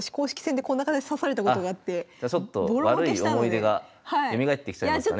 じゃあちょっと悪い思い出がよみがえってきちゃいましたね。